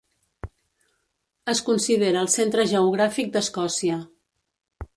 Es considera el centre geogràfic d'Escòcia.